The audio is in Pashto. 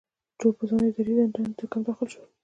تور پوستان اداري دندو ته کم داخل شول.